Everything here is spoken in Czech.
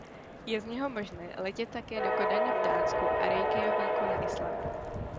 Je z něho možné letět také do Kodaně v Dánsku a Reykjavíku na Islandu.